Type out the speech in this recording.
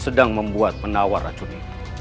sedang membuat menawar racun itu